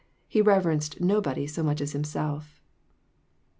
He reverenced nobody so much as himself.